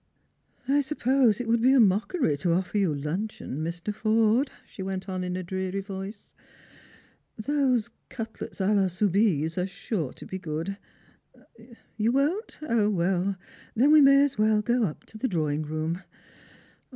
I suppose it would be a mockery to offer you luncheon, Mr. Forde," she went on in a dreary voice ;" those cutlets a la souhise are sure to be good. You won't ? Then we may as well go up to the drawing room.